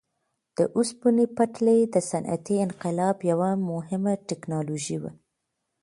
د اوسپنې پټلۍ د صنعتي انقلاب یوه مهمه ټکنالوژي وه.